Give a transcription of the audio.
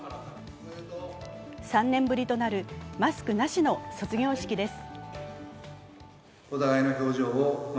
３年ぶりとなるマスクなしの卒業式です。